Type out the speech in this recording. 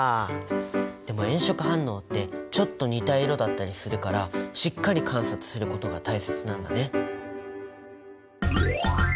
でも炎色反応ってちょっと似た色だったりするからしっかり観察することが大切なんだね。